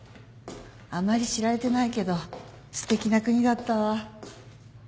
あまり知られてないけどすてきな国だったわ。